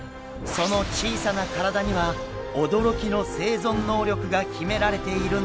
その小さな体には驚きの生存能力が秘められているんです。